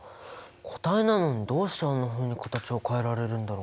固体なのにどうしてあんなふうに形を変えられるんだろう？